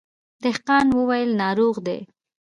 دهقان وويل ناروغ دی.